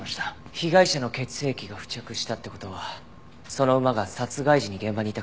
被害者の血液が付着したって事はその馬が殺害時に現場にいた可能性は高いですね。